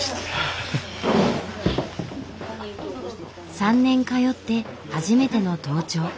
３年通って初めての登頂。